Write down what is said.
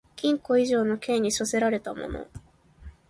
禁錮以上の刑に処せられた者